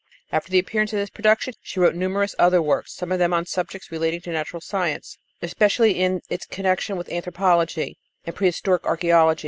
After the appearance of this production, she wrote numerous other works, several of them on subjects relating to natural science, especially in its connection with anthropology and prehistoric archæology.